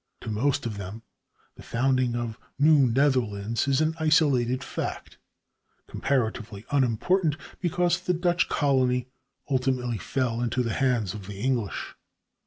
To most of them the founding of New Netherlands is an isolated fact, comparatively unimportant because the Dutch colony ultimately fell into the hands of the English.